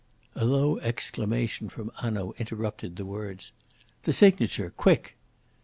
A low exclamation from Hanaud interrupted the words. "The signature! Quick!"